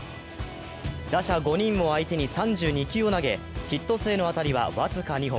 打者５人を相手に３２球を投げ、ヒット性の当たりは僅か２本。